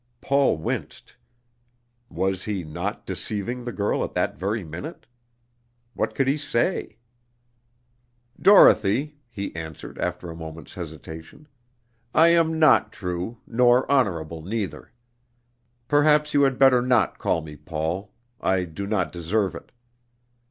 Paul winced. Was he not deceiving the girl at that very minute? What could he say? "Dorothy," he answered, after a moment's hesitation, "I am not true, nor honorable neither. Perhaps you had better not call me Paul. I do not deserve it."